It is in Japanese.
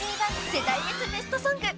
世代別ベストソング』］